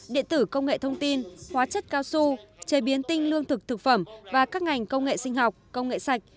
điện tử công nghệ thông tin hóa chất cao su chế biến tinh lương thực thực phẩm và các ngành công nghệ sinh học công nghệ sạch